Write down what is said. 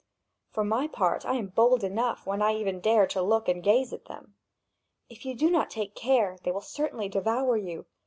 For my part, I am bold enough, when I even dare to look and gaze at them. If you do not take care, they will certainly devour you.